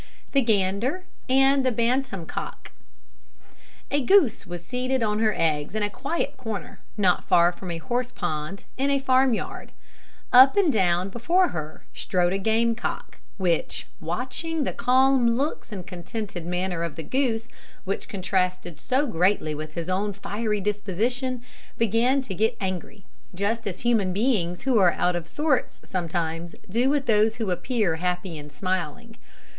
THE GANDER AND THE BANTAM COCK. A goose was seated on her eggs in a quiet corner, not far from a horse pond, in a farmyard. Up and down before her strode a game cock, which, watching the calm looks and contented manner of the goose, which contrasted so greatly with his own fiery disposition, began to get angry, just as human beings who are out of sorts sometimes do with those who appear happy and smiling.